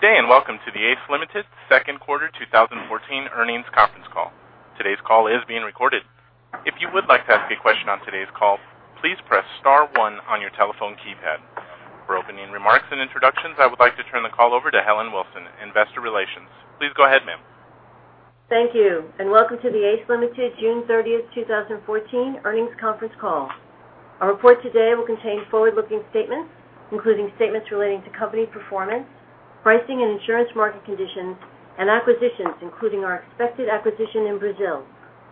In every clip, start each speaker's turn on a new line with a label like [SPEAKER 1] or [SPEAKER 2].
[SPEAKER 1] Good day, and welcome to the ACE Limited second quarter 2014 earnings conference call. Today's call is being recorded. If you would like to ask a question on today's call, please press star one on your telephone keypad. For opening remarks and introductions, I would like to turn the call over to Helen Wilson, Investor Relations. Please go ahead, ma'am.
[SPEAKER 2] Thank you. Welcome to the ACE Limited June 30th, 2014 earnings conference call. Our report today will contain forward-looking statements, including statements relating to company performance, pricing and insurance market conditions, and acquisitions, including our expected acquisition in Brazil,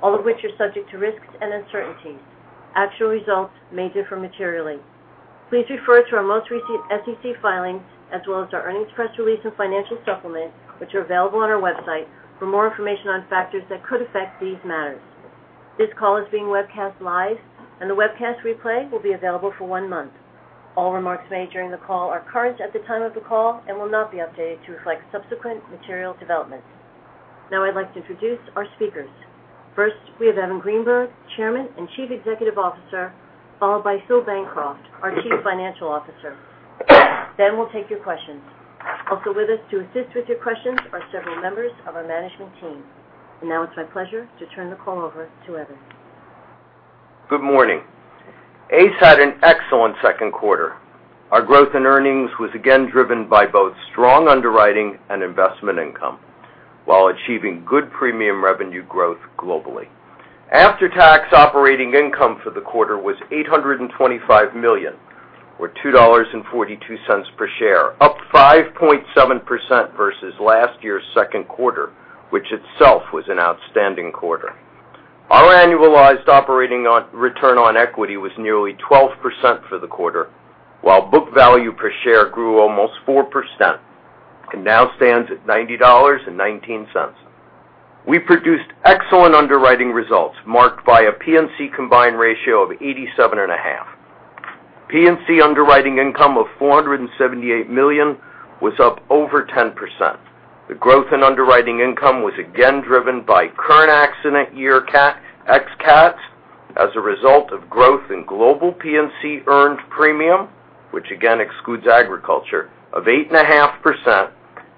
[SPEAKER 2] all of which are subject to risks and uncertainties. Actual results may differ materially. Please refer to our most recent SEC filings as well as our earnings press release and financial supplement, which are available on our website for more information on factors that could affect these matters. This call is being webcast live, and the webcast replay will be available for one month. All remarks made during the call are current at the time of the call and will not be updated to reflect subsequent material developments. Now I'd like to introduce our speakers. First, we have Evan Greenberg, Chairman and Chief Executive Officer, followed by Philip Bancroft, our Chief Financial Officer. We'll take your questions. Also with us to assist with your questions are several members of our management team. Now it's my pleasure to turn the call over to Evan.
[SPEAKER 3] Good morning. ACE had an excellent second quarter. Our growth in earnings was again driven by both strong underwriting and investment income while achieving good premium revenue growth globally. After-tax operating income for the quarter was $825 million, or $2.42 per share, up 5.7% versus last year's second quarter, which itself was an outstanding quarter. Our annualized operating return on equity was nearly 12% for the quarter, while book value per share grew almost 4% and now stands at $90.19. We produced excellent underwriting results marked by a P&C combined ratio of 87.5. P&C underwriting income of $478 million was up over 10%. The growth in underwriting income was again driven by current accident year CAT, x CAT, as a result of growth in global P&C earned premium, which again excludes agriculture, of 8.5%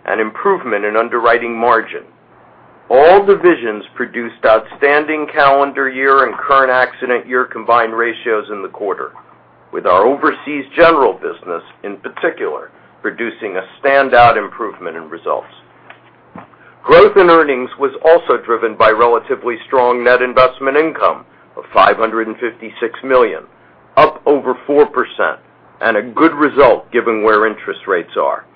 [SPEAKER 3] and improvement in underwriting margin. All divisions produced outstanding calendar year and current accident year combined ratios in the quarter, with our overseas general business, in particular, producing a standout improvement in results. Growth in earnings was also driven by relatively strong net investment income of $556 million, up over 4%, and a good result given where interest rates are.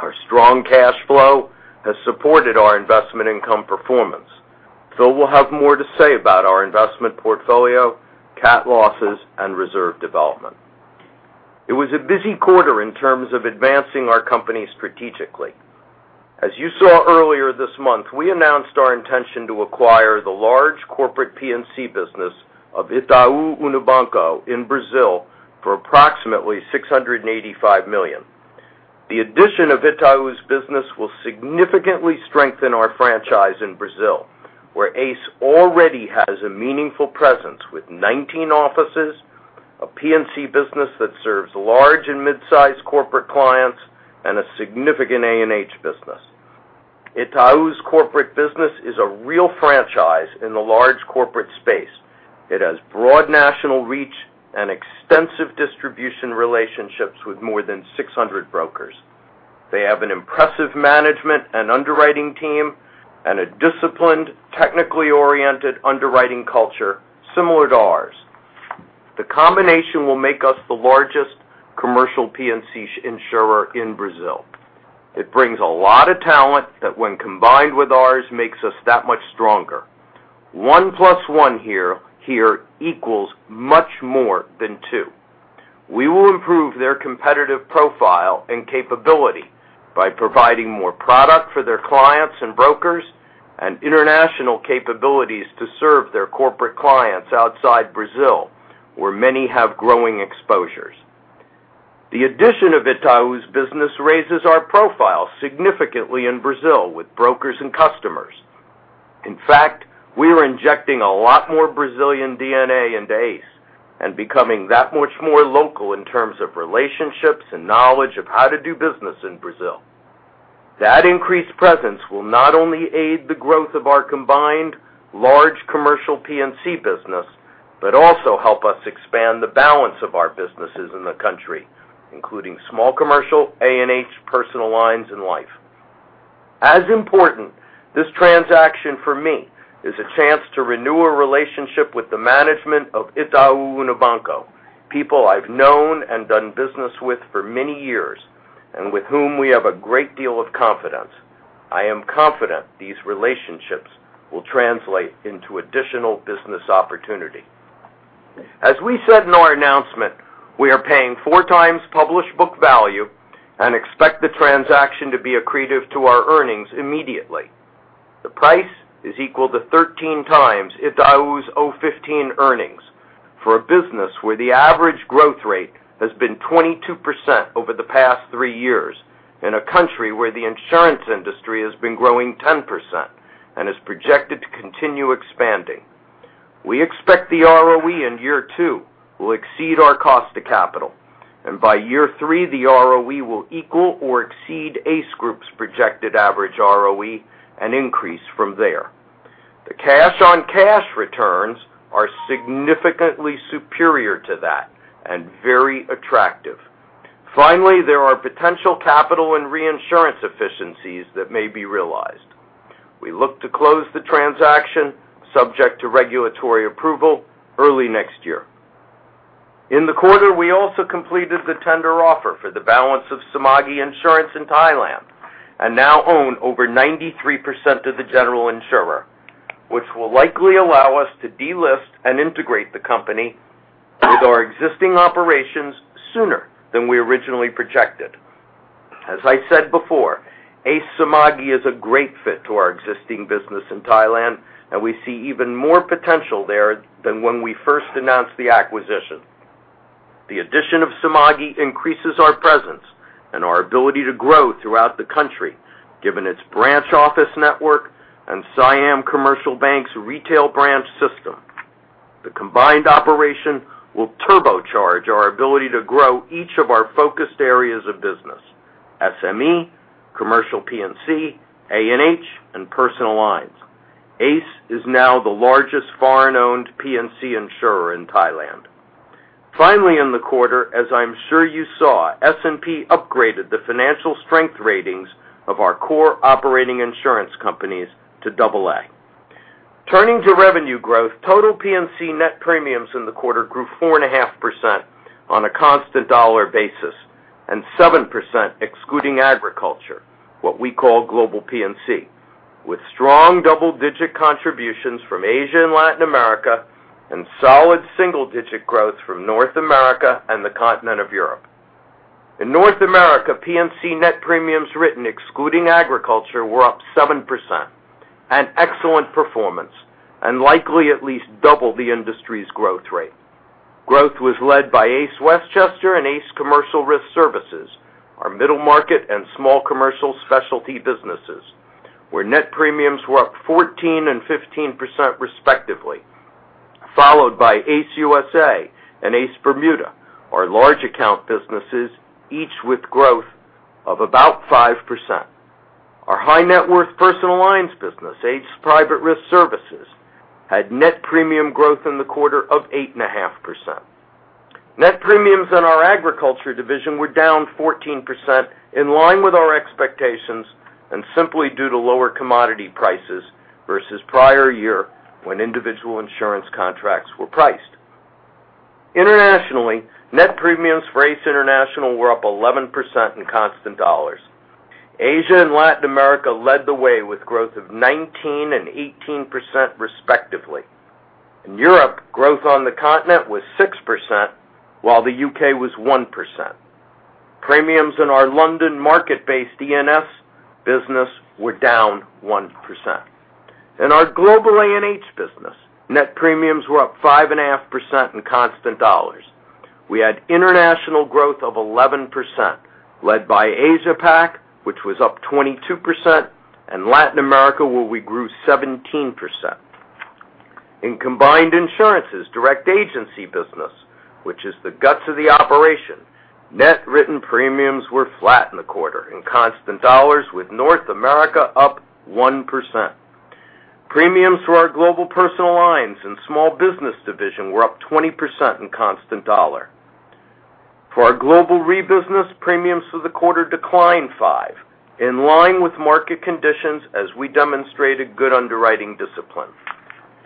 [SPEAKER 3] Our strong cash flow has supported our investment income performance. We'll have more to say about our investment portfolio, CAT losses, and reserve development. It was a busy quarter in terms of advancing our company strategically. As you saw earlier this month, we announced our intention to acquire the large corporate P&C business of Itaú Unibanco in Brazil for approximately $685 million. The addition of Itaú's business will significantly strengthen our franchise in Brazil, where ACE already has a meaningful presence with 19 offices, a P&C business that serves large and mid-size corporate clients, and a significant A&H business. Itaú's corporate business is a real franchise in the large corporate space. It has broad national reach and extensive distribution relationships with more than 600 brokers. They have an impressive management and underwriting team and a disciplined, technically oriented underwriting culture similar to ours. The combination will make us the largest commercial P&C insurer in Brazil. It brings a lot of talent that when combined with ours, makes us that much stronger. One plus one here equals much more than two. We will improve their competitive profile and capability by providing more product for their clients and brokers and international capabilities to serve their corporate clients outside Brazil, where many have growing exposures. The addition of Itaú's business raises our profile significantly in Brazil with brokers and customers. In fact, we are injecting a lot more Brazilian DNA into ACE and becoming that much more local in terms of relationships and knowledge of how to do business in Brazil. That increased presence will not only aid the growth of our combined large commercial P&C business, but also help us expand the balance of our businesses in the country, including small commercial, A&H, personal lines, and life. As important, this transaction for me is a chance to renew a relationship with the management of Itaú Unibanco, people I've known and done business with for many years and with whom we have a great deal of confidence. I am confident these relationships will translate into additional business opportunity. As we said in our announcement, we are paying four times published book value and expect the transaction to be accretive to our earnings immediately. The price is equal to 13 times Itaú's 2015 earnings for a business where the average growth rate has been 22% over the past three years in a country where the insurance industry has been growing 10% and is projected to continue expanding. We expect the ROE in year two will exceed our cost of capital, and by year three, the ROE will equal or exceed ACE Group's projected average ROE and increase from there. The cash-on-cash returns are significantly superior to that and very attractive. Finally, there are potential capital and reinsurance efficiencies that may be realized. We look to close the transaction subject to regulatory approval early next year. In the quarter, we also completed the tender offer for the balance of Sompo Insurance in Thailand and now own over 93% of the general insurer, which will likely allow us to delist and integrate the company with our existing operations sooner than we originally projected. As I said before, ACE Sompo is a great fit to our existing business in Thailand, and we see even more potential there than when we first announced the acquisition. The addition of Sompo increases our presence and our ability to grow throughout the country, given its branch office network and Siam Commercial Bank's retail branch system. The combined operation will turbocharge our ability to grow each of our focused areas of business: SME, commercial P&C, A&H, and personal lines. ACE is now the largest foreign-owned P&C insurer in Thailand. Finally, in the quarter, as I'm sure you saw, S&P upgraded the financial strength ratings of our core operating insurance companies to AA. Turning to revenue growth, total P&C net premiums in the quarter grew 4.5% on a constant dollar basis and 7% excluding agriculture, what we call Global P&C. With strong double-digit contributions from Asia and Latin America and solid single-digit growth from North America and the continent of Europe. In North America, P&C net premiums written excluding agriculture were up 7%, an excellent performance and likely at least double the industry's growth rate. Growth was led by ACE Westchester and ACE Commercial Risk Services, our middle market and small commercial specialty businesses, where net premiums were up 14% and 15% respectively, followed by ACE USA and ACE Bermuda, our large account businesses, each with growth of about 5%. Our high net worth personal lines business, ACE Private Risk Services, had net premium growth in the quarter of 8.5%. Net premiums in our agriculture division were down 14%, in line with our expectations and simply due to lower commodity prices versus prior year when individual insurance contracts were priced. Internationally, net premiums for ACE International were up 11% in constant dollars. Asia and Latin America led the way with growth of 19% and 18%, respectively. In Europe, growth on the continent was 6%, while the U.K. was 1%. Premiums in our London market-based D&S business were down 1%. In our global A&H business, net premiums were up 5.5% in constant dollars. We had international growth of 11%, led by Asia Pac, which was up 22%, and Latin America, where we grew 17%. In Combined Insurance's direct agency business, which is the guts of the operation, net written premiums were flat in the quarter in constant dollars with North America up 1%. Premiums for our global personal lines and small business division were up 20% in constant dollar. For our Global Re business, premiums for the quarter declined 5%, in line with market conditions as we demonstrated good underwriting discipline.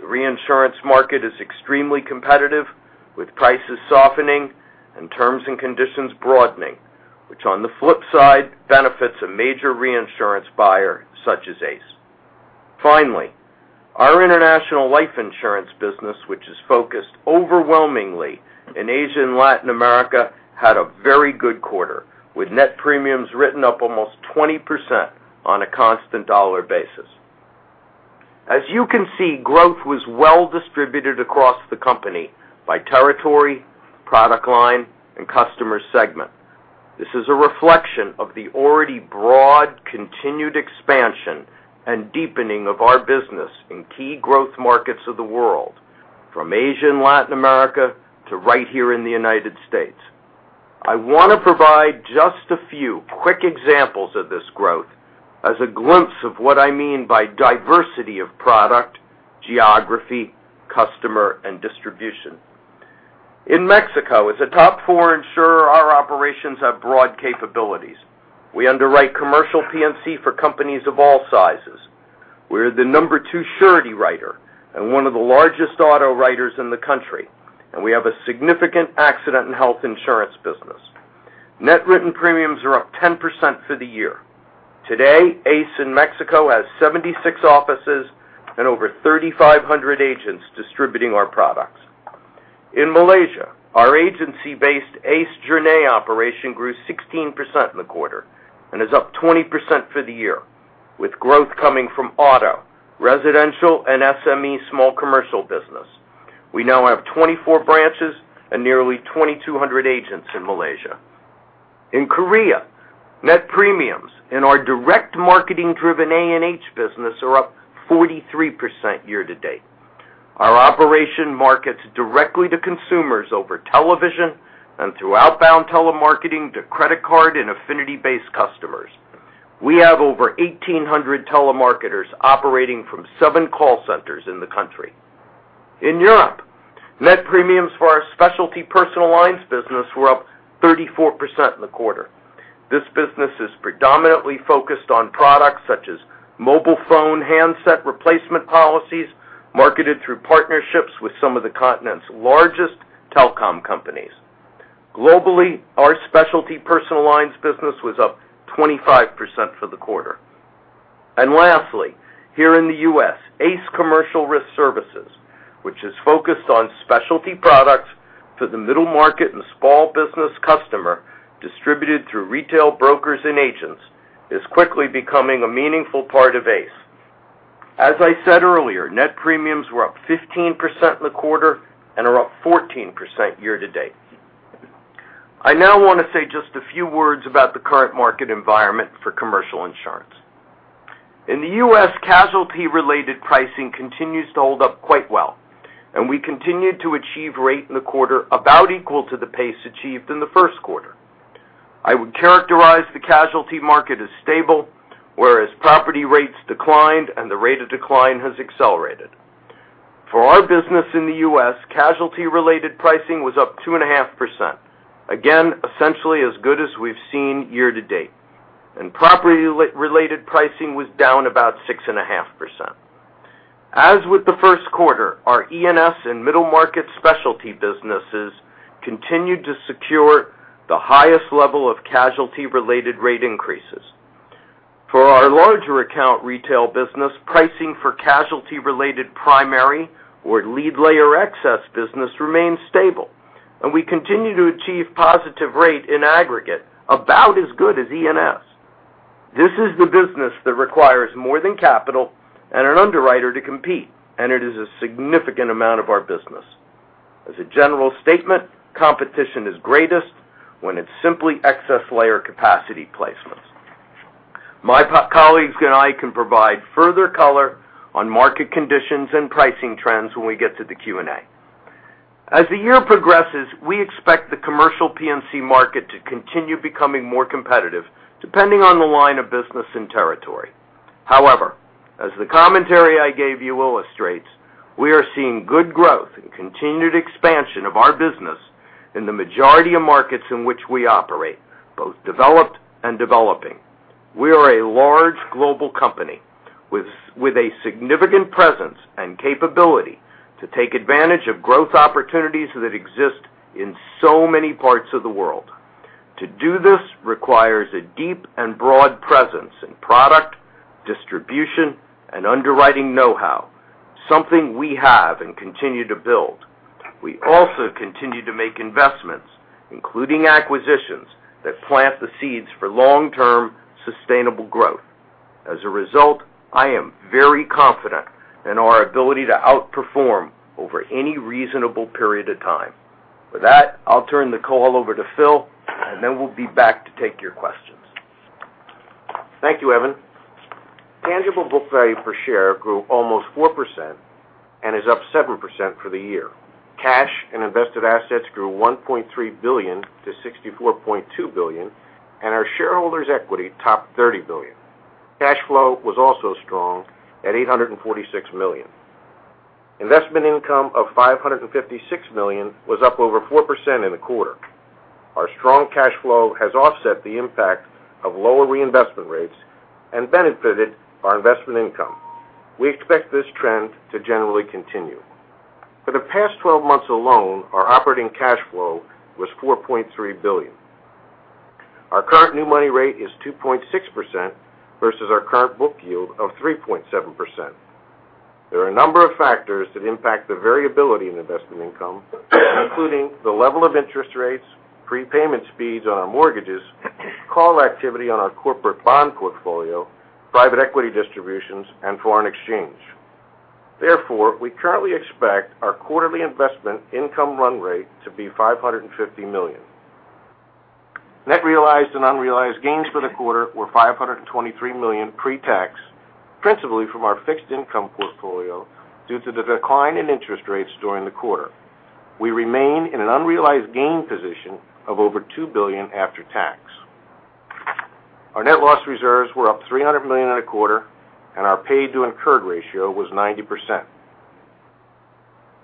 [SPEAKER 3] The reinsurance market is extremely competitive, with prices softening and terms and conditions broadening, which, on the flip side, benefits a major reinsurance buyer such as ACE. Finally, our international life insurance business, which is focused overwhelmingly in Asia and Latin America, had a very good quarter, with net premiums written up almost 20% on a constant dollar basis. As you can see, growth was well distributed across the company by territory, product line, and customer segment. This is a reflection of the already broad continued expansion and deepening of our business in key growth markets of the world, from Asia and Latin America to right here in the U.S. I want to provide just a few quick examples of this growth as a glimpse of what I mean by diversity of product, geography, customer, and distribution. In Mexico, as a top four insurer, our operations have broad capabilities. We underwrite commercial P&C for companies of all sizes. We're the number 2 surety writer and one of the largest auto writers in the country, and we have a significant accident and health insurance business. Net written premiums are up 10% for the year. Today, ACE in Mexico has 76 offices and over 3,500 agents distributing our products. In Malaysia, our agency-based ACE Jerneh operation grew 16% in the quarter and is up 20% for the year, with growth coming from auto, residential, and SME small commercial business. We now have 24 branches and nearly 2,200 agents in Malaysia. In Korea, net premiums in our direct marketing driven A&H business are up 43% year to date. Our operation markets directly to consumers over television and through outbound telemarketing to credit card and affinity-based customers. We have over 1,800 telemarketers operating from seven call centers in the country. In Europe, net premiums for our specialty personal lines business were up 34% in the quarter. This business is predominantly focused on products such as mobile phone handset replacement policies, marketed through partnerships with some of the continent's largest telecom companies. Globally, our specialty personal lines business was up 25% for the quarter. Lastly, here in the U.S., ACE Commercial Risk Services, which is focused on specialty products for the middle market and small business customer distributed through retail brokers and agents, is quickly becoming a meaningful part of ACE. As I said earlier, net premiums were up 15% in the quarter and are up 14% year to date. I now want to say just a few words about the current market environment for commercial insurance. In the U.S., casualty related pricing continues to hold up quite well. We continued to achieve rate in the quarter about equal to the pace achieved in the first quarter. I would characterize the casualty market as stable, whereas property rates declined and the rate of decline has accelerated. For our business in the U.S., casualty related pricing was up 2.5%, again, essentially as good as we've seen year to date. Property related pricing was down about 6.5%. As with the first quarter, our E&S and middle market specialty businesses continued to secure the highest level of casualty related rate increases. For our larger account retail business, pricing for casualty related primary or lead layer excess business remains stable. We continue to achieve positive rate in aggregate about as good as E&S. This is the business that requires more than capital and an underwriter to compete. It is a significant amount of our business. As a general statement, competition is greatest when it's simply excess layer capacity placements. My colleagues and I can provide further color on market conditions and pricing trends when we get to the Q&A. As the year progresses, we expect the commercial P&C market to continue becoming more competitive depending on the line of business and territory. However, as the commentary I gave you illustrates, we are seeing good growth and continued expansion of our business in the majority of markets in which we operate, both developed and developing. We are a large global company with a significant presence and capability to take advantage of growth opportunities that exist in so many parts of the world. To do this requires a deep and broad presence in product, distribution, and underwriting knowhow, something we have and continue to build. We also continue to make investments, including acquisitions, that plant the seeds for long-term sustainable growth. As a result, I am very confident in our ability to outperform over any reasonable period of time. With that, I'll turn the call over to Phil, and then we'll be back to take your questions.
[SPEAKER 4] Thank you, Evan. Tangible book value per share grew almost 4% and is up 7% for the year. Cash and invested assets grew $1.3 billion to $64.2 billion, and our shareholders' equity topped $30 billion. Cash flow was also strong at $846 million. Investment income of $556 million was up over 4% in the quarter. Our strong cash flow has offset the impact of lower reinvestment rates and benefited our investment income. We expect this trend to generally continue. For the past 12 months alone, our operating cash flow was $4.3 billion. Our current new money rate is 2.6% versus our current book yield of 3.7%. There are a number of factors that impact the variability in investment income, including the level of interest rates, prepayment speeds on our mortgages, call activity on our corporate bond portfolio, private equity distributions, and foreign exchange. We currently expect our quarterly investment income run rate to be $550 million. Net realized and unrealized gains for the quarter were $523 million pre-tax, principally from our fixed income portfolio due to the decline in interest rates during the quarter. We remain in an unrealized gain position of over $2 billion after tax. Our net loss reserves were up $300 million in a quarter, and our pay to incurred ratio was 90%.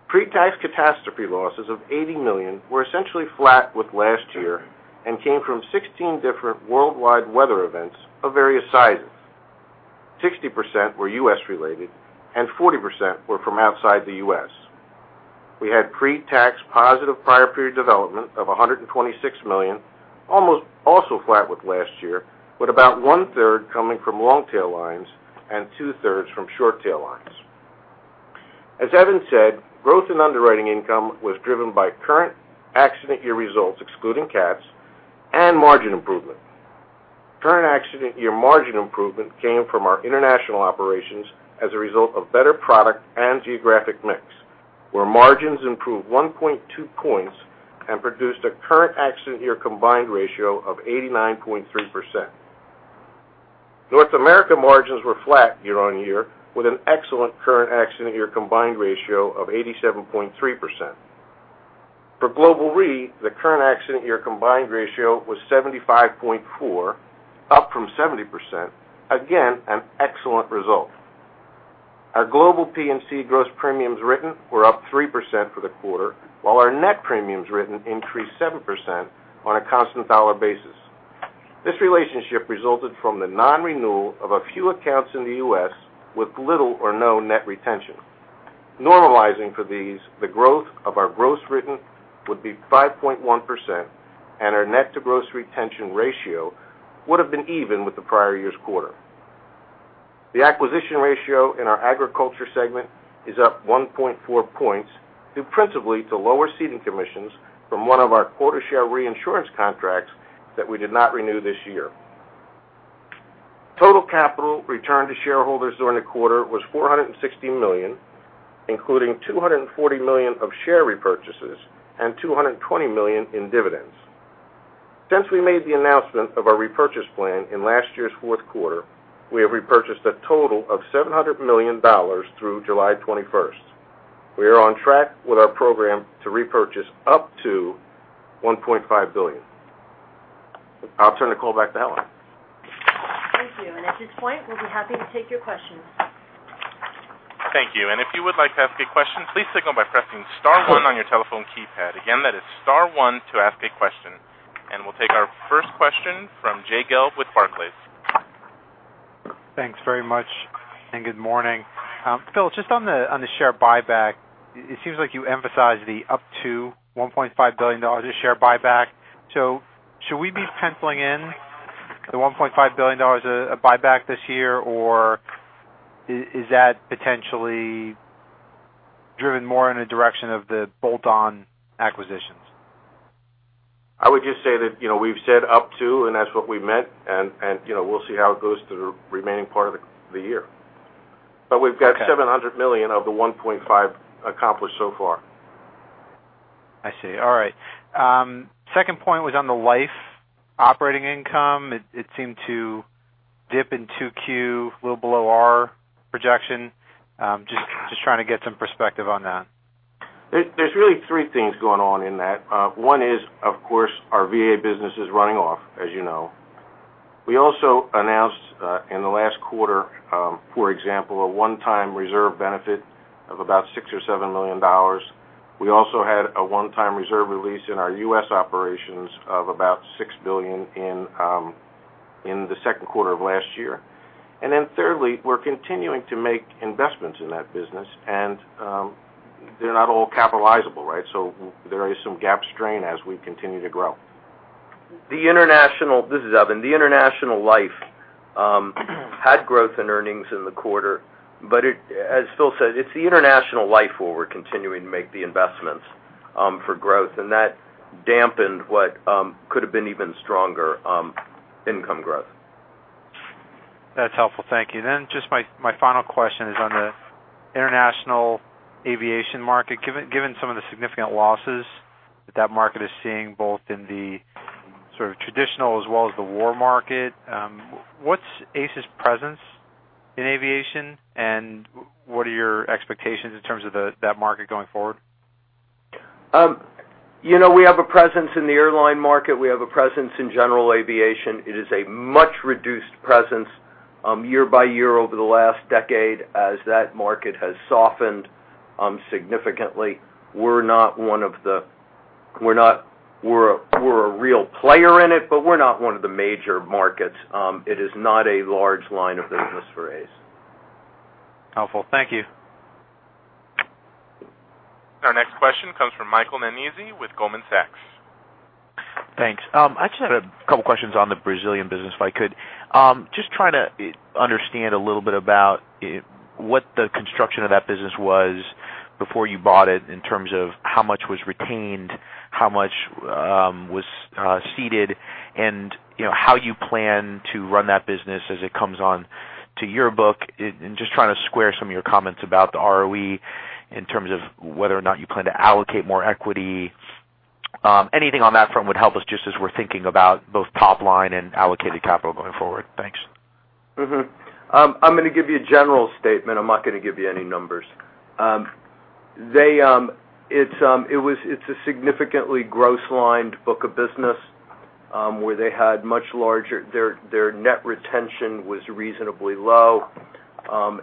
[SPEAKER 4] Pre-tax catastrophe losses of $80 million were essentially flat with last year and came from 16 different worldwide weather events of various sizes. 60% were U.S. related and 40% were from outside the U.S. We had pre-tax positive prior period development of $126 million, almost also flat with last year, with about one-third coming from long tail lines and two-thirds from short tail lines. As Evan said, growth in underwriting income was driven by current accident year results, excluding CATs and margin improvement. Current accident year margin improvement came from our international operations as a result of better product and geographic mix, where margins improved 1.2 points and produced a current accident year combined ratio of 89.3%. North America margins were flat year-on-year, with an excellent current accident year combined ratio of 87.3%. For Global Re, the current accident year combined ratio was 75.4%, up from 70%. Again, an excellent result. Our global P&C gross premiums written were up 3% for the quarter, while our net premiums written increased 7% on a constant dollar basis. This relationship resulted from the non-renewal of a few accounts in the U.S. with little or no net retention. Normalizing for these, the growth of our gross written would be 5.1%, and our net to gross retention ratio would've been even with the prior year's quarter. The acquisition ratio in our agriculture segment is up 1.4 points, due principally to lower ceding commissions from one of our quota share reinsurance contracts that we did not renew this year. Total capital return to shareholders during the quarter was $460 million, including $240 million of share repurchases and $220 million in dividends. Since we made the announcement of our repurchase plan in last year's fourth quarter, we have repurchased a total of $700 million through July 21st. We are on track with our program to repurchase up to $1.5 billion. I'll turn the call back to Evan.
[SPEAKER 3] Thank you. At this point, we'll be happy to take your questions.
[SPEAKER 1] Thank you. If you would like to ask a question, please signal by pressing *1 on your telephone keypad. Again, that is *1 to ask a question. We'll take our first question from Jay Gelb with Barclays.
[SPEAKER 5] Thanks very much, and good morning. Phil, just on the share buyback, it seems like you emphasize the up to $1.5 billion share buyback. Should we be penciling in the $1.5 billion of buyback this year, or is that potentially driven more in the direction of the bolt-on acquisitions?
[SPEAKER 4] I would just say that we've said up to, and that's what we meant, and we'll see how it goes through the remaining part of the year.
[SPEAKER 5] Okay.
[SPEAKER 4] We've got $700 million of the $1.5 accomplished so far.
[SPEAKER 5] I see. All right. Second point was on the life operating income. It seemed to dip in Q2, a little below our projection. Just trying to get some perspective on that.
[SPEAKER 4] There's really three things going on in that. One is, of course, our VA business is running off, as you know. We also announced in the last quarter, for example, a one-time reserve benefit of about $6 million or $7 million. We also had a one-time reserve release in our U.S. operations of about $6 billion in the second quarter of last year. Thirdly, we're continuing to make investments in that business, and they're not all capitalizable, right? There is some GAAP strain as we continue to grow.
[SPEAKER 3] This is Evan. The international life had growth in earnings in the quarter, but as Phil said, it's the international life where we're continuing to make the investments for growth, and that dampened what could've been even stronger income growth.
[SPEAKER 5] That's helpful. Thank you. Just my final question is on the international aviation market. Given some of the significant losses that that market is seeing, both in the sort of traditional as well as the war market, what's ACE's presence in aviation, and what are your expectations in terms of that market going forward?
[SPEAKER 4] We have a presence in the airline market. We have a presence in general aviation. It is a much reduced presence year by year over the last decade as that market has softened significantly. We're a real player in it, but we're not one of the major markets. It is not a large line of business for ACE.
[SPEAKER 5] Helpful. Thank you.
[SPEAKER 1] Our next question comes from Michael Nannizzi with Goldman Sachs.
[SPEAKER 6] Thanks. I just had a couple questions on the Brazilian business, if I could. Just trying to understand a little bit about what the construction of that business was before you bought it, in terms of how much was retained, how much was ceded, and how you plan to run that business as it comes on to your book, and just trying to square some of your comments about the ROE in terms of whether or not you plan to allocate more equity. Anything on that front would help us just as we're thinking about both top line and allocated capital going forward. Thanks.
[SPEAKER 4] Mm-hmm. I'm going to give you a general statement. I'm not going to give you any numbers. It's a significantly gross lined book of business, where their net retention was reasonably low.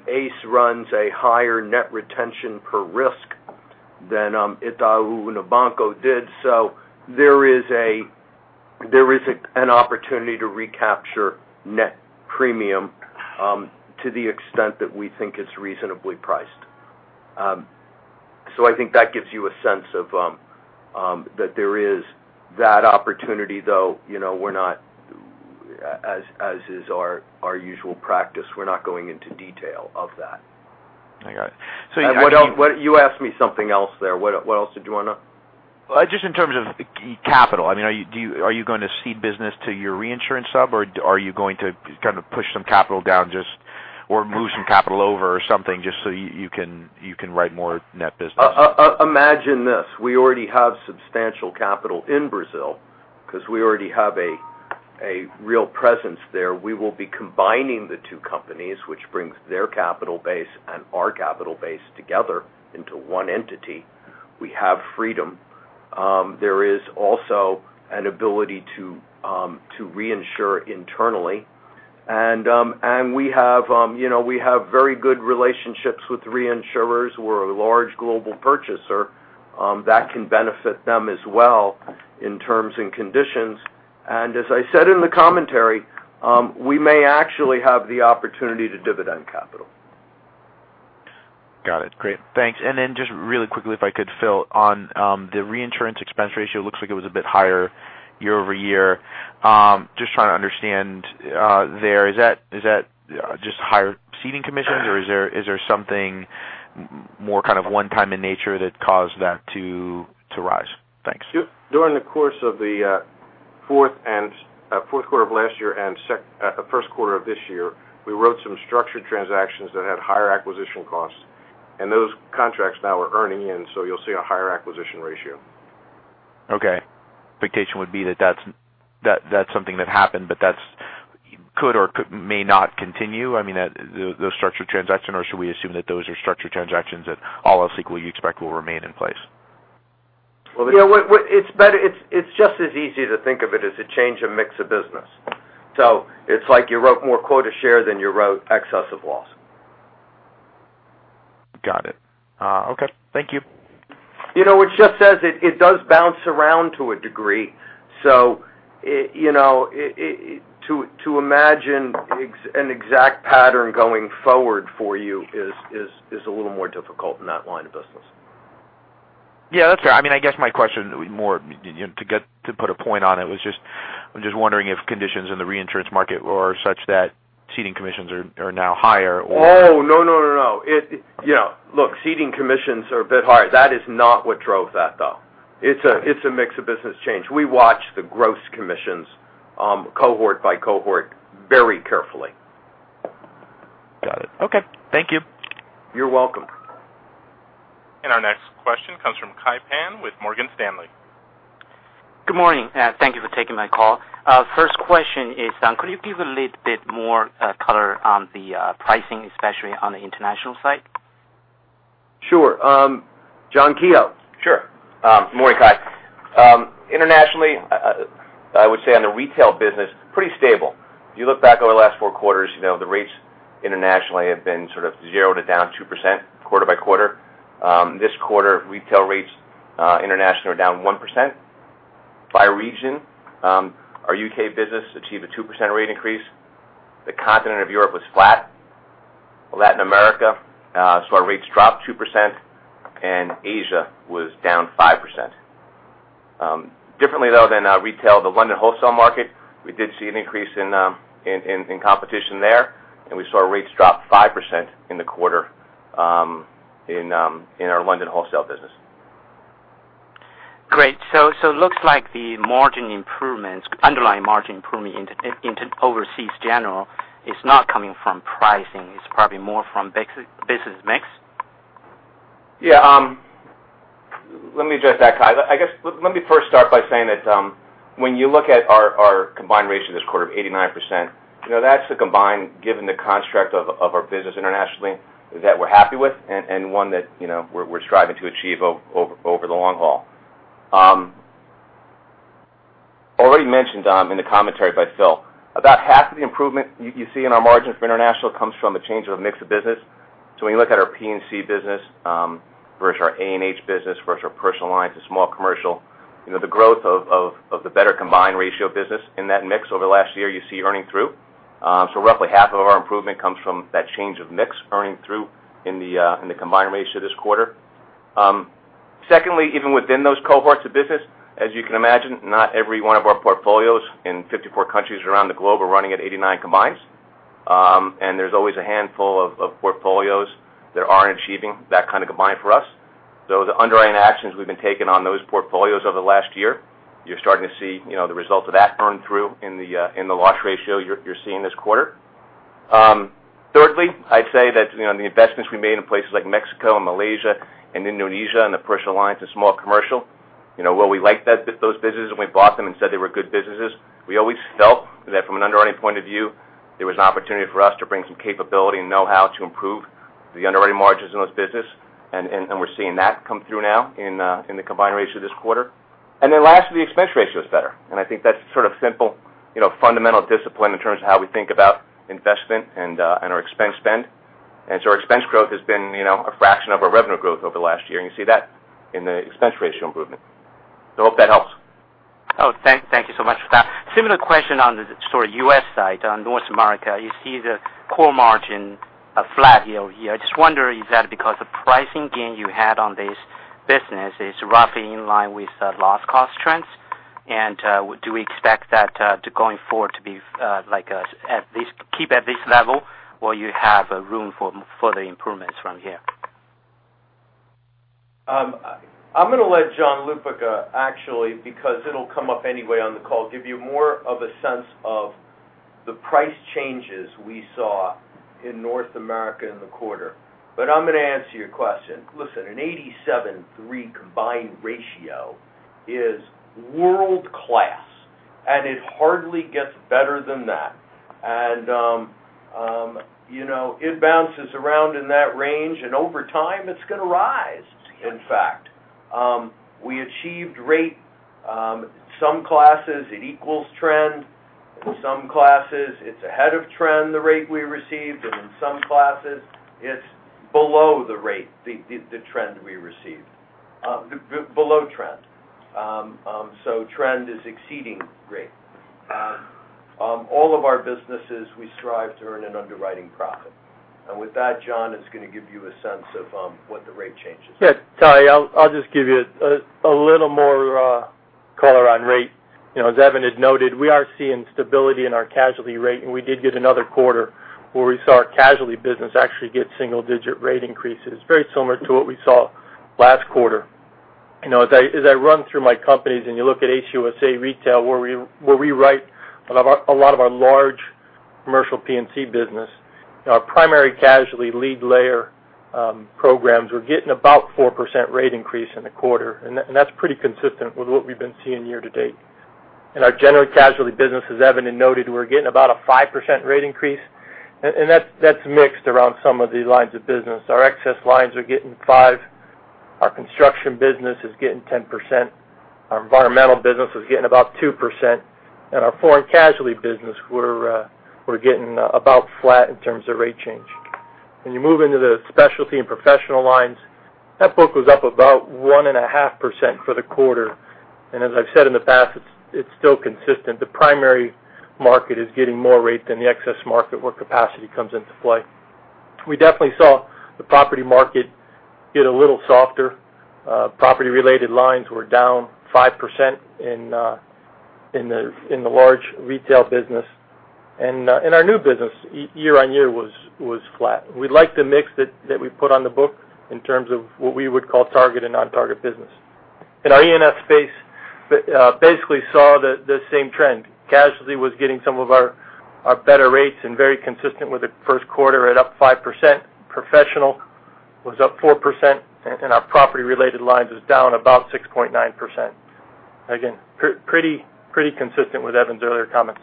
[SPEAKER 4] ACE runs a higher net retention per risk than Itaú Unibanco did, there is an opportunity to recapture net premium to the extent that we think it's reasonably priced. I think that gives you a sense that there is that opportunity, though as is our usual practice, we're not going into detail of that.
[SPEAKER 6] I got it.
[SPEAKER 3] You asked me something else there. What else did you want to know?
[SPEAKER 6] Just in terms of capital, are you going to cede business to your reinsurance sub, or are you going to kind of push some capital down or move some capital over or something just so you can write more net business?
[SPEAKER 3] Imagine this, we already have substantial capital in Brazil because we already have a real presence there. We will be combining the two companies, which brings their capital base and our capital base together into one entity. We have freedom. There is also an ability to reinsure internally. We have very good relationships with reinsurers. We're a large global purchaser. That can benefit them as well in terms and conditions. As I said in the commentary, we may actually have the opportunity to dividend capital.
[SPEAKER 6] Got it. Great. Thanks. Just really quickly, if I could, Phil, on the reinsurance expense ratio, it looks like it was a bit higher year-over-year. Just trying to understand there. Is that just higher ceding commissions, or is there something more kind of one-time in nature that caused that to rise? Thanks.
[SPEAKER 4] During the course of the fourth quarter of last year and first quarter of this year, we wrote some structured transactions that had higher acquisition costs, and those contracts now are earning in, so you'll see a higher acquisition ratio.
[SPEAKER 6] Okay. Expectation would be that that's something that happened, but that could or may not continue, I mean, those structured transactions, or should we assume that those are structured transactions that all else equal you expect will remain in place?
[SPEAKER 3] It's just as easy to think of it as a change of mix of business. It's like you wrote more quota share than you wrote excess of loss.
[SPEAKER 6] Got it. Okay. Thank you.
[SPEAKER 3] It's just as it does bounce around to a degree. To imagine an exact pattern going forward for you is a little more difficult in that line of business.
[SPEAKER 6] Yeah, that's fair. I guess my question more to put a point on it was just, I'm just wondering if conditions in the reinsurance market were such that ceding commissions are now higher?
[SPEAKER 3] Oh, no. Look, ceding commissions are a bit higher. That is not what drove that, though. It's a mix of business change. We watch the gross commissions cohort by cohort very carefully.
[SPEAKER 6] Got it. Okay. Thank you.
[SPEAKER 3] You're welcome.
[SPEAKER 1] Our next question comes from Kai Pan with Morgan Stanley.
[SPEAKER 7] Good morning. Thank you for taking my call. First question is, could you give a little bit more color on the pricing, especially on the international side?
[SPEAKER 3] Sure. John Keogh.
[SPEAKER 8] Sure. Good morning, Kai. Internationally, I would say on the retail business, pretty stable. If you look back over the last four quarters, the rates internationally have been sort of zero to down 2% quarter by quarter. This quarter, retail rates internationally are down 1%. By region, our U.K. business achieved a 2% rate increase. The continent of Europe was flat. Latin America saw rates drop 2%, and Asia was down 5%. Differently, though, than retail, the London wholesale market, we did see an increase in competition there, and we saw rates drop 5% in the quarter in our London wholesale business.
[SPEAKER 7] Great. Looks like the underlying margin improvement in overseas general is not coming from pricing. It's probably more from business mix?
[SPEAKER 8] Yeah. Let me address that, Kai. I guess let me first start by saying that when you look at our combined ratio this quarter of 89%, that's the combined given the construct of our business internationally that we're happy with, and one that we're striving to achieve over the long haul. Already mentioned in the commentary by Phil, about half of the improvement you see in our margins for international comes from a change of mix of business. When you look at our P&C business versus our A&H business versus our personal lines and small commercial, the growth of the better combined ratio business in that mix over the last year you see earning through. Roughly half of our improvement comes from that change of mix earning through in the combined ratio this quarter. Even within those cohorts of business, as you can imagine, not every one of our portfolios in 54 countries around the globe are running at 89 combines. There's always a handful of portfolios that are achieving that kind of combine for us. The underwriting actions we've been taking on those portfolios over the last year, you're starting to see the results of that earn through in the loss ratio you're seeing this quarter. I'd say that the investments we made in places like Mexico and Malaysia and Indonesia in the personal lines and small commercial, while we liked those businesses when we bought them and said they were good businesses, we always felt that from an underwriting point of view, there was an opportunity for us to bring some capability and know-how to improve the underwriting margins in those business, and we're seeing that come through now in the combined ratio this quarter. Lastly, the expense ratio is better, and I think that's sort of simple fundamental discipline in terms of how we think about investment and our expense spend. Our expense growth has been a fraction of our revenue growth over the last year, and you see that in the expense ratio improvement. Hope that helps.
[SPEAKER 7] Thank you so much for that. Similar question on the sort of U.S. side, North America. You see the core margin flat year-over-year. I just wonder, is that because the pricing gain you had on this business is roughly in line with the loss cost trends? Do we expect that going forward to keep at this level while you have room for further improvements from here?
[SPEAKER 3] I'm going to let John Lupica actually, because it'll come up anyway on the call, give you more of a sense of the price changes we saw in North America in the quarter. I'm going to answer your question. Listen, an 87.3 combined ratio is world-class, and it hardly gets better than that. It bounces around in that range, and over time, it's going to rise, in fact. We achieved rate, some classes it equals trend, in some classes it's ahead of trend, the rate we received, and in some classes it's below the rate, the trend we received. Below trend. Trend is exceeding rate. All of our businesses, we strive to earn an underwriting profit. With that, John is going to give you a sense of what the rate change is.
[SPEAKER 9] Yeah, Kai, I'll just give you a little more color on rate. As Evan had noted, we are seeing stability in our casualty rate, and we did get another quarter where we saw our casualty business actually get single-digit rate increases, very similar to what we saw last quarter. As I run through my companies and you look at ACE USA Retail, where we write a lot of our large commercial P&C business, our primary casualty lead layer programs were getting about 4% rate increase in the quarter, and that is pretty consistent with what we have been seeing year-to-date. In our general casualty business, as Evan had noted, we are getting about a 5% rate increase, and that is mixed around some of these lines of business. Our excess lines are getting 5%, our construction business is getting 10%, our environmental business is getting about 2%, and our foreign casualty business, we are getting about flat in terms of rate change. When you move into the specialty and professional lines, that book was up about 1.5% for the quarter. As I have said in the past, it is still consistent. The primary market is getting more rate than the excess market where capacity comes into play. We definitely saw the property market get a little softer. Property-related lines were down 5% in the large retail business. Our new business year-on-year was flat. We like the mix that we put on the book in terms of what we would call target and non-target business. In our E&S space, basically saw the same trend. Casualty was getting some of our better rates and very consistent with the first quarter at up 5%. Professional was up 4%, and our property-related lines was down about 6.9%. Again, pretty consistent with Evan's earlier comments.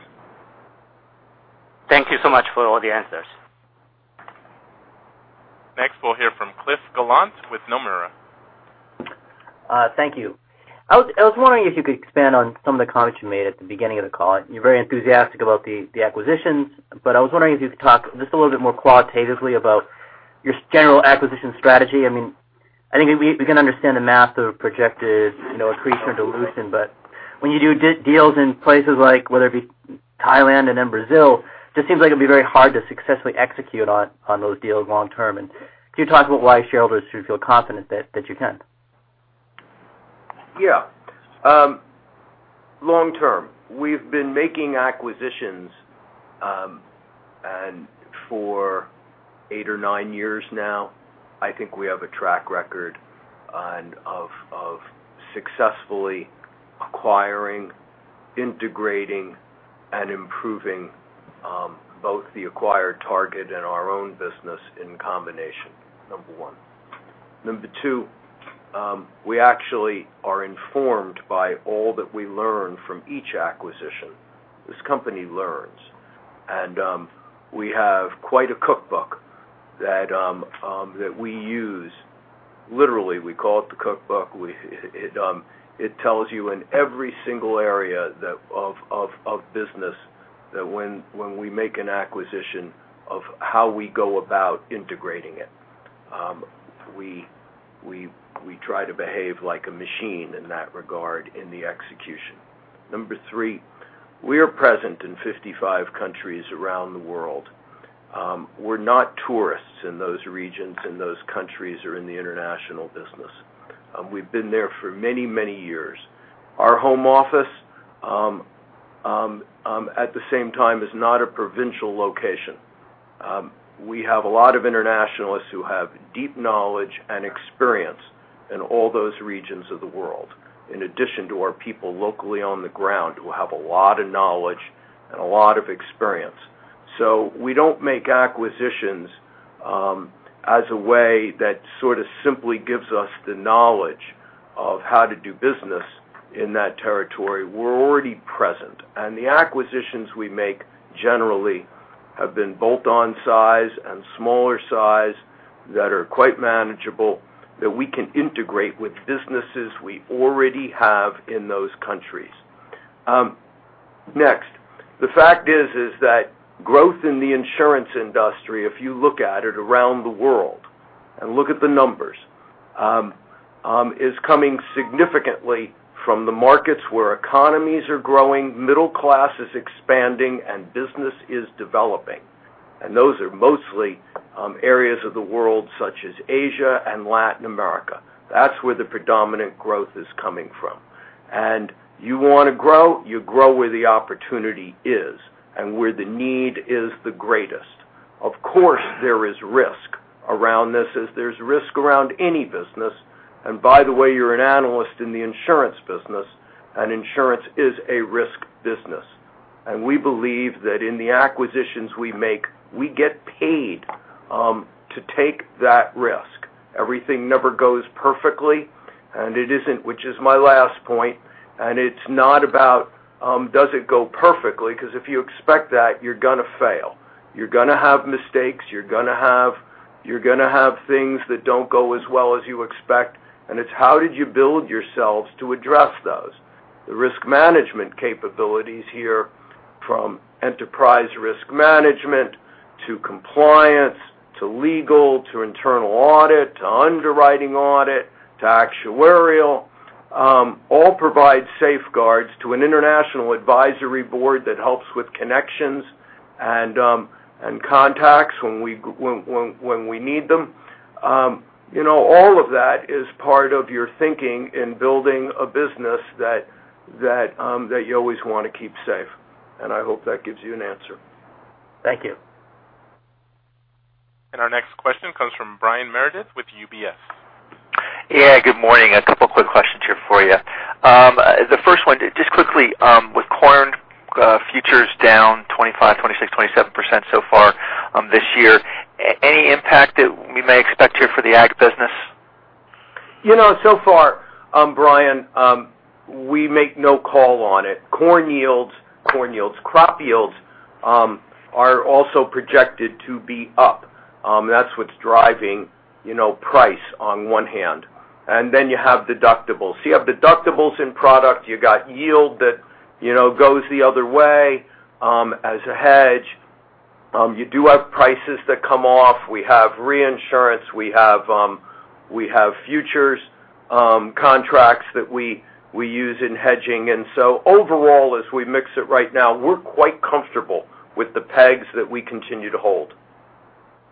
[SPEAKER 7] Thank you so much for all the answers.
[SPEAKER 1] We'll hear from Cliff Gallant with Nomura.
[SPEAKER 10] Thank you. I was wondering if you could expand on some of the comments you made at the beginning of the call. You're very enthusiastic about the acquisitions. I was wondering if you could talk just a little bit more qualitatively about your general acquisition strategy. I think we can understand the math of projected accretion or dilution. When you do deals in places like, whether it be Thailand and in Brazil, just seems like it'd be very hard to successfully execute on those deals long term. Can you talk about why shareholders should feel confident that you can?
[SPEAKER 3] Yeah. Long term. We've been making acquisitions for 8 or 9 years now. I think we have a track record of successfully acquiring, integrating, and improving both the acquired target and our own business in combination, number one. Number two, we actually are informed by all that we learn from each acquisition. This company learns. We have quite a cookbook that we use. Literally, we call it the cookbook. It tells you in every single area of business that when we make an acquisition of how we go about integrating it. We try to behave like a machine in that regard in the execution. Number three, we are present in 55 countries around the world. We're not tourists in those regions and those countries or in the international business. We've been there for many, many years. Our home office, at the same time, is not a provincial location. We have a lot of internationalists who have deep knowledge and experience in all those regions of the world, in addition to our people locally on the ground who have a lot of knowledge and a lot of experience. We don't make acquisitions as a way that sort of simply gives us the knowledge of how to do business in that territory. We're already present. The acquisitions we make generally have been bolt-on size and smaller size that are quite manageable, that we can integrate with businesses we already have in those countries. The fact is that growth in the insurance industry, if you look at it around the world and look at the numbers, is coming significantly from the markets where economies are growing, middle class is expanding, and business is developing. Those are mostly areas of the world such as Asia and Latin America. That's where the predominant growth is coming from. You want to grow, you grow where the opportunity is and where the need is the greatest. Of course, there is risk around this as there's risk around any business. By the way, you're an analyst in the insurance business, and insurance is a risk business. We believe that in the acquisitions we make, we get paid to take that risk. Everything never goes perfectly, and it isn't, which is my last point. It's not about, does it go perfectly? Because if you expect that, you're going to fail. You're going to have mistakes, you're going to have things that don't go as well as you expect. It's how did you build yourselves to address those. The risk management capabilities here, from enterprise risk management to compliance, to legal, to internal audit, to underwriting audit, to actuarial, all provide safeguards to an international advisory board that helps with connections and contacts when we need them. All of that is part of your thinking in building a business that you always want to keep safe. I hope that gives you an answer.
[SPEAKER 10] Thank you.
[SPEAKER 1] Our next question comes from Brian Meredith with UBS.
[SPEAKER 11] Yeah, good morning. A couple quick questions here for you. The first one, just quickly, with corn futures down 25, 26, 27% so far this year, any impact that we may expect here for the ag business?
[SPEAKER 3] So far, Brian, we make no call on it. Corn yields, crop yields, are also projected to be up. That's what's driving price on one hand. Then you have deductibles. You have deductibles in product, you got yield that goes the other way as a hedge. You do have prices that come off. We have reinsurance, we have futures contracts that we use in hedging. Overall, as we mix it right now, we're quite comfortable with the pegs that we continue to hold.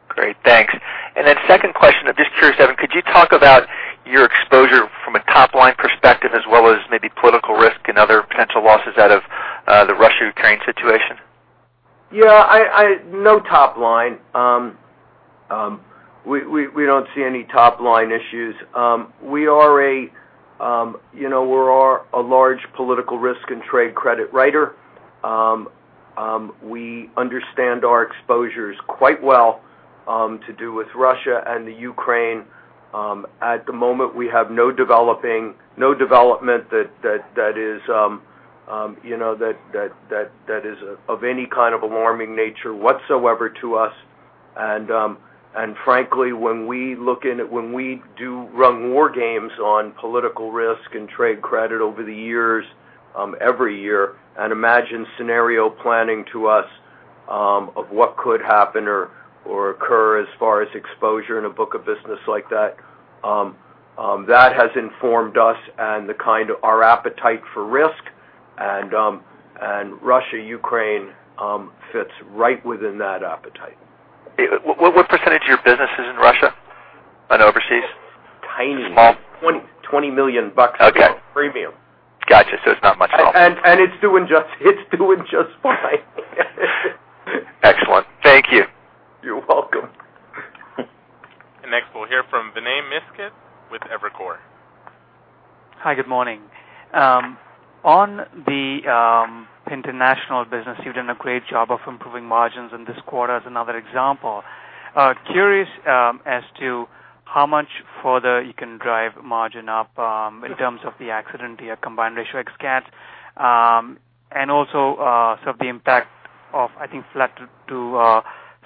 [SPEAKER 11] Great, thanks. Then second question, just curious, Evan, could you talk about your exposure from a top-line perspective as well as maybe political risk and other potential losses out of the Russia-Ukraine situation?
[SPEAKER 3] Yeah. No top line. We don't see any top-line issues. We're a large political risk and trade credit writer. We understand our exposures quite well to do with Russia and the Ukraine. At the moment, we have no development that is of any kind of alarming nature whatsoever to us. Frankly, when we run war games on political risk and trade credit over the years, every year, and imagine scenario planning to us of what could happen or occur as far as exposure in a book of business like that has informed us and our appetite for risk, and Russia-Ukraine fits right within that appetite.
[SPEAKER 11] What percentage of your business is in Russia and overseas?
[SPEAKER 3] Tiny.
[SPEAKER 11] Small?
[SPEAKER 3] $20 million.
[SPEAKER 11] Okay
[SPEAKER 3] Of premium.
[SPEAKER 11] Got you. It's not much at all.
[SPEAKER 3] It's doing just fine.
[SPEAKER 11] Excellent. Thank you.
[SPEAKER 3] You're welcome.
[SPEAKER 1] Next we'll hear from Vinay Misquith with Evercore.
[SPEAKER 12] Hi, good morning. On the international business, you've done a great job of improving margins in this quarter as another example. Curious as to how much further you can drive margin up in terms of the accident, the combined ratio ex CAT, and also sort of the impact of, I think, flat to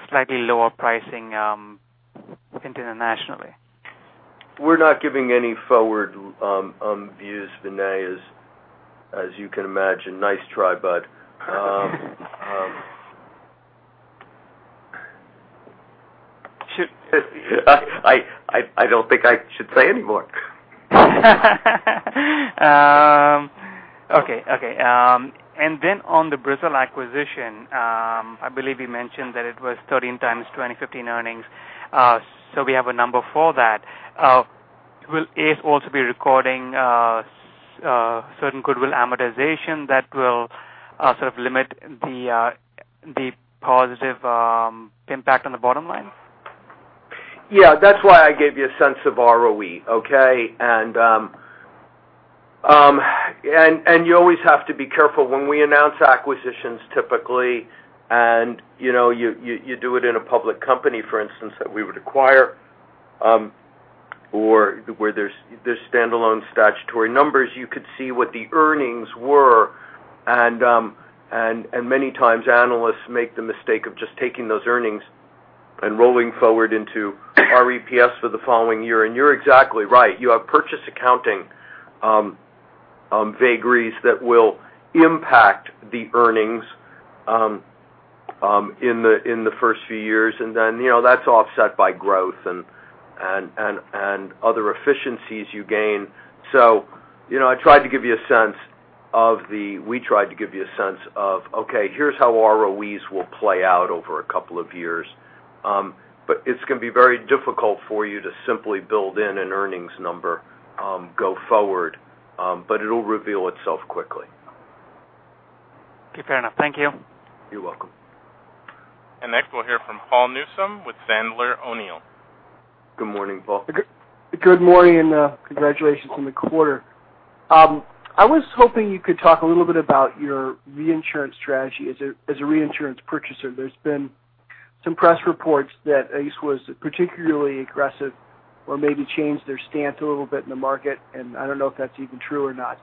[SPEAKER 12] slightly lower pricing internationally.
[SPEAKER 3] We're not giving any forward views, Vinay, as you can imagine. Nice try, bud. I don't think I should say anymore.
[SPEAKER 12] Okay. On the Brazil acquisition, I believe you mentioned that it was 13x 2015 earnings. We have a number for that. Will ACE also be recording certain goodwill amortization that will sort of limit the positive impact on the bottom line?
[SPEAKER 3] Yeah, that's why I gave you a sense of ROE, okay? You always have to be careful when we announce acquisitions, typically, and you do it in a public company, for instance, that we would acquire, or where there's standalone statutory numbers, you could see what the earnings were. Many times analysts make the mistake of just taking those earnings and rolling forward into EPS for the following year. You're exactly right. You have purchase accounting vagaries that will impact the earnings in the first few years, and then that's offset by growth and other efficiencies you gain. I tried to give you a sense of, okay, here's how ROEs will play out over a couple of years. It's going to be very difficult for you to simply build in an earnings number go forward, but it'll reveal itself quickly.
[SPEAKER 12] Okay, fair enough. Thank you.
[SPEAKER 3] You're welcome.
[SPEAKER 1] Next we'll hear from Paul Newsome with Sandler O'Neill.
[SPEAKER 3] Good morning, Paul.
[SPEAKER 13] Good morning, congratulations on the quarter. I was hoping you could talk a little bit about your reinsurance strategy as a reinsurance purchaser. There's been some press reports that ACE was particularly aggressive or maybe changed their stance a little bit in the market, and I don't know if that's even true or not,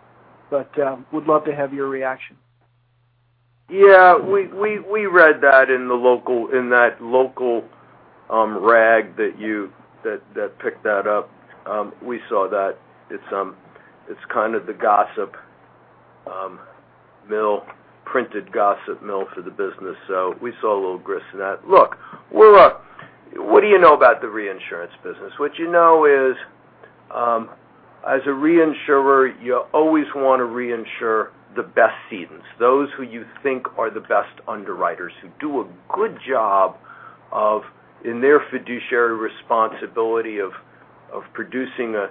[SPEAKER 13] but would love to have your reaction.
[SPEAKER 3] Yeah. We read that in that local rag that picked that up. We saw that. It's kind of the printed gossip mill for the business. We saw a little grist in that. Look, what do you know about the reinsurance business? What you know is, as a reinsurer, you always want to reinsure the best cedents. Those who you think are the best underwriters, who do a good job of, in their fiduciary responsibility of producing a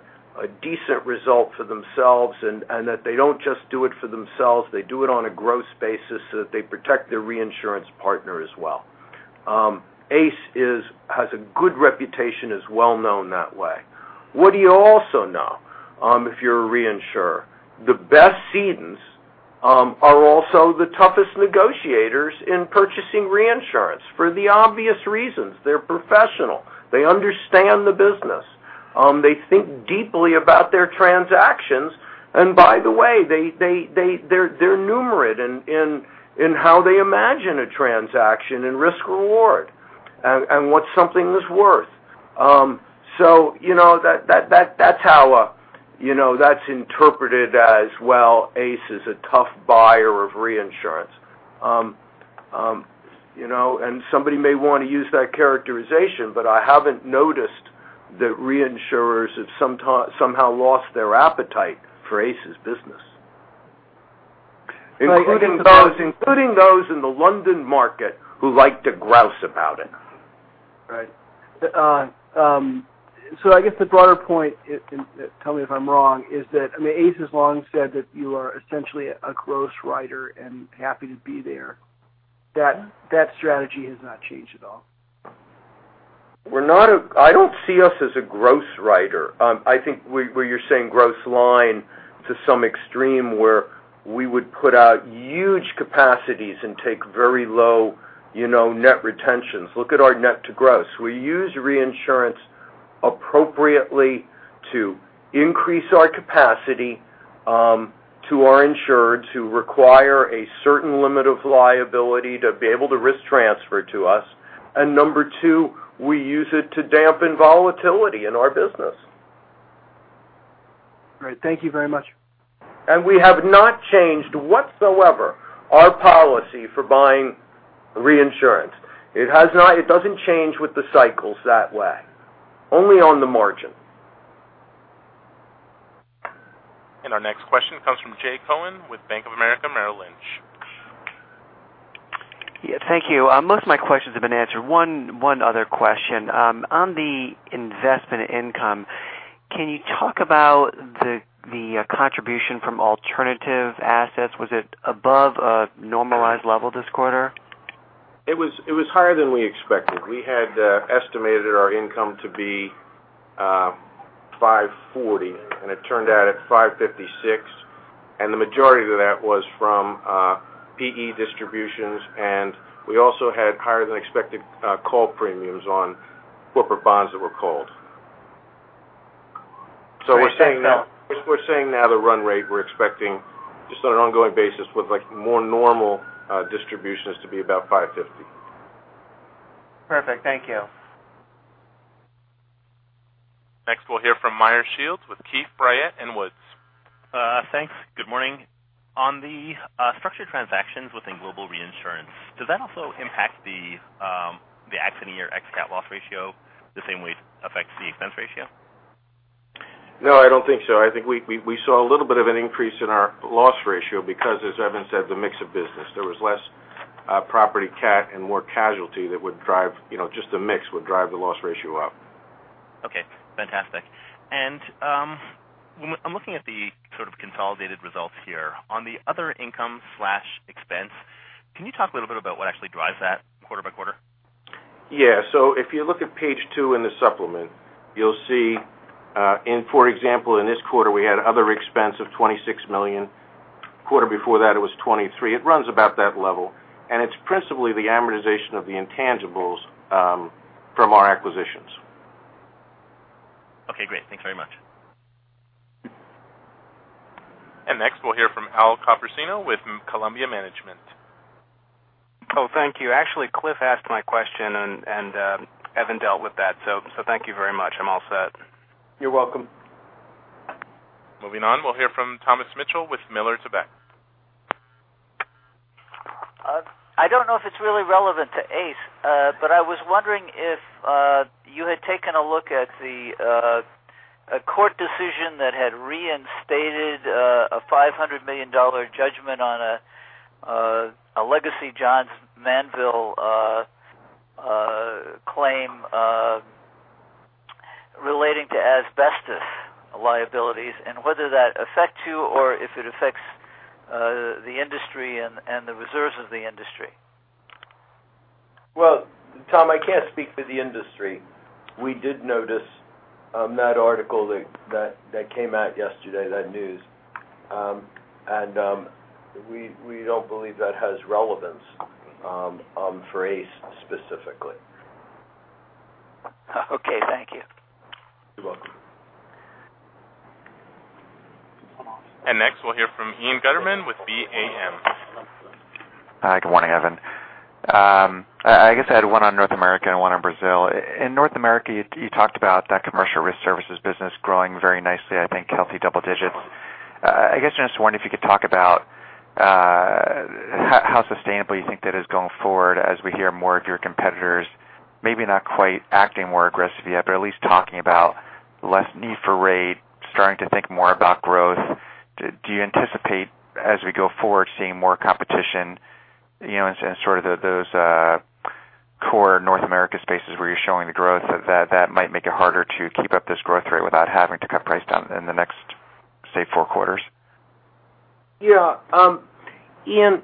[SPEAKER 3] decent result for themselves and that they don't just do it for themselves, they do it on a gross basis so that they protect their reinsurance partner as well. ACE has a good reputation, is well known that way. What do you also know if you're a reinsurer? The best cedents are also the toughest negotiators in purchasing reinsurance for the obvious reasons. They're professional. They understand the business. They think deeply about their transactions. By the way they're numerate in how they imagine a transaction and risk reward and what something is worth. That's interpreted as, well, ACE is a tough buyer of reinsurance. Somebody may want to use that characterization, but I haven't noticed that reinsurers have somehow lost their appetite for ACE's business.
[SPEAKER 13] Right.
[SPEAKER 3] Including those in the London market who like to grouse about it.
[SPEAKER 13] Right. I guess the broader point, tell me if I'm wrong, is that ACE has long said that you are essentially a gross writer and happy to be there. That strategy has not changed at all?
[SPEAKER 3] I don't see us as a gross writer. I think where you're saying gross line to some extreme where we would put out huge capacities and take very low net retentions. Look at our net to gross. We use reinsurance appropriately to increase our capacity to our insureds who require a certain limit of liability to be able to risk transfer to us. Number two, we use it to dampen volatility in our business.
[SPEAKER 13] Great. Thank you very much.
[SPEAKER 3] We have not changed whatsoever our policy for buying reinsurance. It doesn't change with the cycles that way, only on the margin.
[SPEAKER 1] Our next question comes from Jay Cohen with Bank of America Merrill Lynch.
[SPEAKER 14] Yeah, thank you. Most of my questions have been answered. One other question. On the investment income, can you talk about the contribution from alternative assets? Was it above a normalized level this quarter?
[SPEAKER 4] It was higher than we expected. We had estimated our income to be $540, and it turned out at $556, and the majority of that was from PE distributions, and we also had higher than expected call premiums on corporate bonds that were called.
[SPEAKER 14] Great. Thanks, Evan.
[SPEAKER 3] We're saying now the run rate we're expecting, just on an ongoing basis with more normal distributions, to be about $550.
[SPEAKER 14] Perfect. Thank you.
[SPEAKER 1] We'll hear from Meyer Shields with Keefe, Bruyette & Woods.
[SPEAKER 15] Thanks. Good morning. On the structured transactions within global reinsurance, does that also impact the accident year ex CAT loss ratio the same way it affects the expense ratio?
[SPEAKER 4] No, I don't think so. I think we saw a little bit of an increase in our loss ratio because, as Evan said, the mix of business. There was less property CAT and more casualty that would drive, just the mix would drive the loss ratio up.
[SPEAKER 15] Okay, fantastic. I'm looking at the sort of consolidated results here. On the other income slash expense, can you talk a little bit about what actually drives that quarter by quarter?
[SPEAKER 3] Yeah. If you look at page two in the supplement, you'll see in, for example, in this quarter, we had other expense of $26 million. Quarter before that, it was $23. It runs about that level, and it's principally the amortization of the intangibles from our acquisitions.
[SPEAKER 15] Okay, great. Thanks very much.
[SPEAKER 1] Next, we'll hear from Al Copercino with Columbia Management.
[SPEAKER 16] Thank you. Actually, Cliff asked my question, and Evan dealt with that. Thank you very much. I'm all set.
[SPEAKER 3] You're welcome.
[SPEAKER 1] Moving on, we'll hear from Thomas Mitchell with Miller Tabak.
[SPEAKER 17] I don't know if it's really relevant to ACE, but I was wondering if you had taken a look at the court decision that had reinstated a $500 million judgment on a legacy Johns Manville claim relating to asbestos liabilities, and whether that affects you or if it affects the industry and the reserves of the industry.
[SPEAKER 3] Well, Tom, I can't speak for the industry. We did notice that article that came out yesterday, that news, and we don't believe that has relevance for ACE specifically.
[SPEAKER 17] Okay. Thank you.
[SPEAKER 3] You're welcome.
[SPEAKER 1] Next we'll hear from Ian Gutterman with BAM.
[SPEAKER 18] Hi. Good morning, Evan. I guess I had one on North America and one on Brazil. In North America, you talked about that Commercial Risk Services business growing very nicely, I think healthy double digits. I guess, just wondering if you could talk about how sustainable you think that is going forward as we hear more of your competitors, maybe not quite acting more aggressive yet, but at least talking about less need for rate, starting to think more about growth. Do you anticipate, as we go forward, seeing more competition in sort of those core North America spaces where you're showing the growth, that that might make it harder to keep up this growth rate without having to cut price down in the next, say, 4 quarters?
[SPEAKER 3] Yeah. Ian,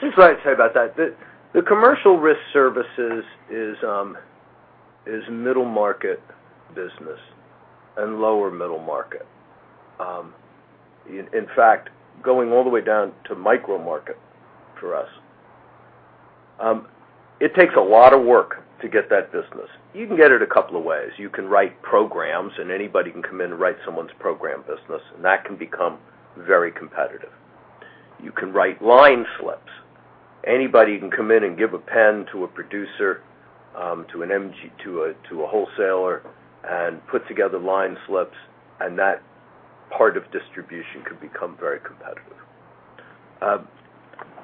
[SPEAKER 3] this is what I'd say about that. The Commercial Risk Services is middle market business and lower middle market. In fact, going all the way down to micro market for us. It takes a lot of work to get that business. You can get it a couple of ways. You can write programs, and anybody can come in and write someone's program business, and that can become very competitive. You can write line slips. Anybody can come in and give a pen to a producer, to a wholesaler, and put together line slips, and that part of distribution could become very competitive.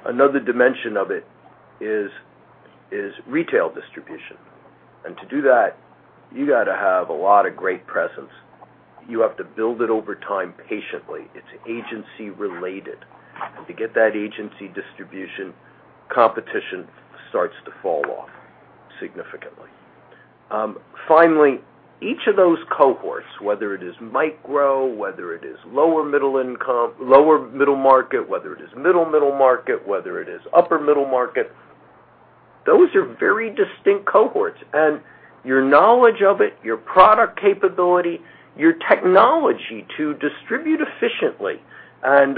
[SPEAKER 3] Another dimension of it is retail distribution, and to do that, you got to have a lot of great presence. You have to build it over time, patiently. It's agency related, and to get that agency distribution, competition starts to fall off significantly. Finally, each of those cohorts, whether it is micro, whether it is lower middle market, whether it is middle middle market, whether it is upper middle market, those are very distinct cohorts and your knowledge of it, your product capability, your technology to distribute efficiently, and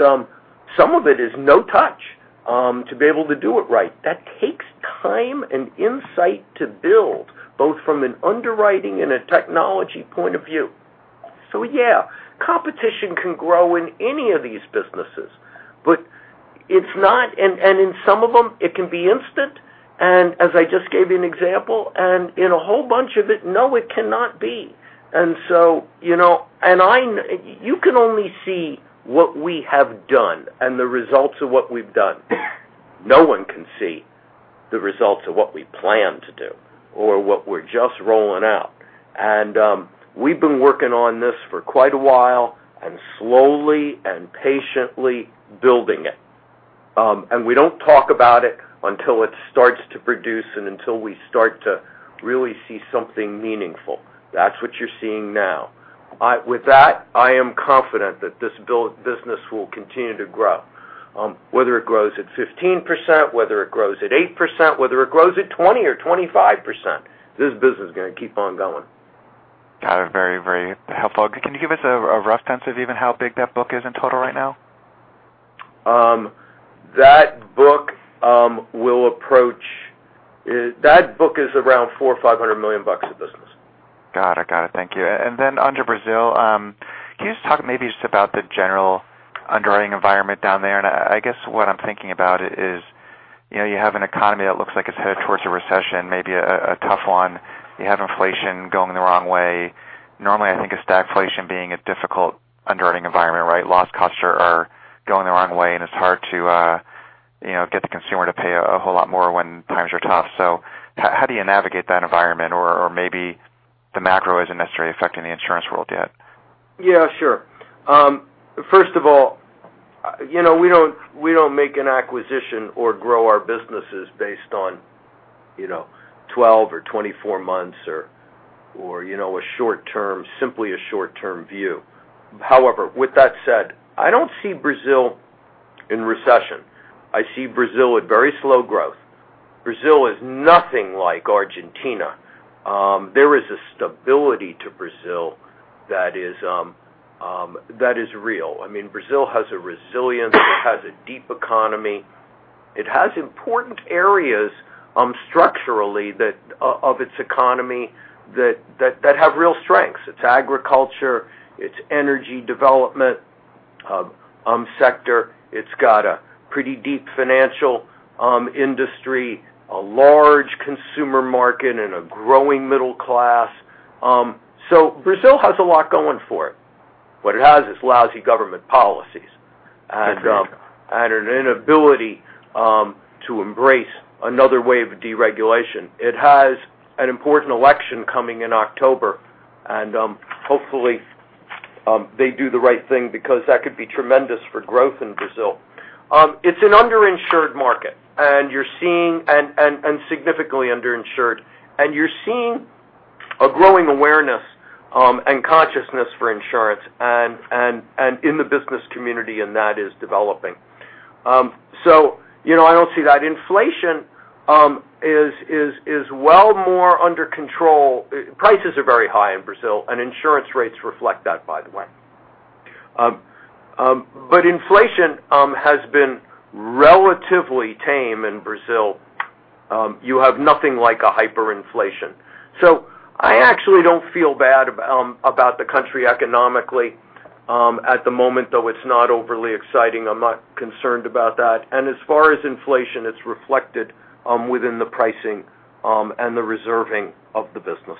[SPEAKER 3] some of it is no touch to be able to do it right. That takes time and insight to build, both from an underwriting and a technology point of view. Yeah, competition can grow in any of these businesses, but it's not, and in some of them, it can be instant and as I just gave you an example. In a whole bunch of it, no, it cannot be. You can only see what we have done and the results of what we've done. No one can see the results of what we plan to do or what we're just rolling out. We've been working on this for quite a while and slowly and patiently building it. We don't talk about it until it starts to produce and until we start to really see something meaningful. That's what you're seeing now. With that, I am confident that this business will continue to grow. Whether it grows at 15%, whether it grows at 8%, whether it grows at 20% or 25%, this business is going to keep on going.
[SPEAKER 18] Got it. Very helpful. Can you give us a rough sense of even how big that book is in total right now?
[SPEAKER 3] That book is around $400 million or $500 million of business.
[SPEAKER 18] Got it. Thank you. Then onto Brazil. Can you just talk maybe just about the general underwriting environment down there? I guess what I'm thinking about is, you have an economy that looks like it's headed towards a recession, maybe a tough one. You have inflation going the wrong way. Normally, I think of stagflation being a difficult underwriting environment, right? Loss costs are going the wrong way, and it's hard to get the consumer to pay a whole lot more when times are tough. How do you navigate that environment? Maybe the macro isn't necessarily affecting the insurance world yet.
[SPEAKER 3] Yeah, sure. First of all, we don't make an acquisition or grow our businesses based on 12 or 24 months or simply a short-term view. However, with that said, I don't see Brazil in recession. I see Brazil at very slow growth. Brazil is nothing like Argentina. There is a stability to Brazil that is real. Brazil has a resilience. It has a deep economy. It has important areas structurally of its economy that have real strengths. Its agriculture, its energy development sector. It's got a pretty deep financial industry, a large consumer market, and a growing middle class. Brazil has a lot going for it. What it has is lousy government policies and an inability to embrace another wave of deregulation. It has an important election coming in October, and hopefully they do the right thing because that could be tremendous for growth in Brazil. It's an underinsured market. Significantly underinsured, and you're seeing a growing awareness and consciousness for insurance and in the business community, and that is developing. I don't see that. Inflation is well more under control. Prices are very high in Brazil, and insurance rates reflect that, by the way. Inflation has been relatively tame in Brazil. You have nothing like a hyperinflation. I actually don't feel bad about the country economically. At the moment, though it's not overly exciting, I'm not concerned about that. As far as inflation, it's reflected within the pricing and the reserving of the business.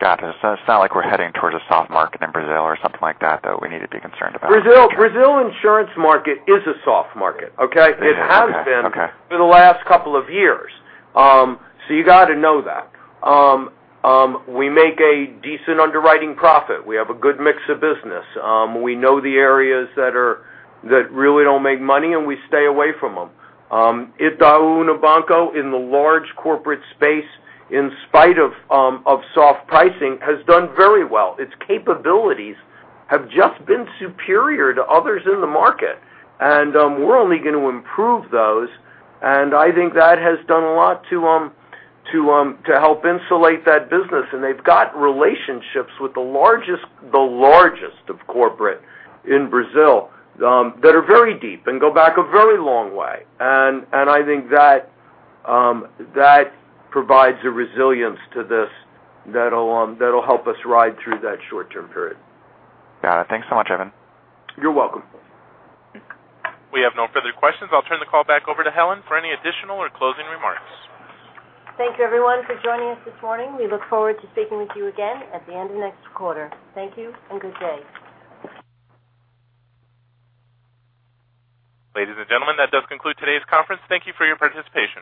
[SPEAKER 18] Got it. It's not like we're heading towards a soft market in Brazil or something like that we need to be concerned about.
[SPEAKER 3] Brazil insurance market is a soft market, okay?
[SPEAKER 18] Okay.
[SPEAKER 3] It has been for the last couple of years. You got to know that. We make a decent underwriting profit. We have a good mix of business. We know the areas that really don't make money, and we stay away from them. Itaú Unibanco in the large corporate space, in spite of soft pricing, has done very well. Its capabilities have just been superior to others in the market, and we're only going to improve those. I think that has done a lot to help insulate that business, and they've got relationships with the largest of corporate in Brazil that are very deep and go back a very long way. I think that provides a resilience to this that'll help us ride through that short-term period.
[SPEAKER 18] Got it. Thanks so much, Evan.
[SPEAKER 3] You're welcome.
[SPEAKER 1] We have no further questions. I'll turn the call back over to Helen for any additional or closing remarks.
[SPEAKER 2] Thank you, everyone, for joining us this morning. We look forward to speaking with you again at the end of next quarter. Thank you and good day.
[SPEAKER 1] Ladies and gentlemen, that does conclude today's conference. Thank you for your participation.